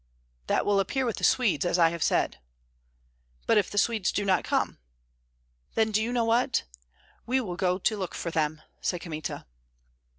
"That will appear with the Swedes, as I have said." "But if the Swedes do not come?" "Then do you know what? we will go to look for them," said Kmita.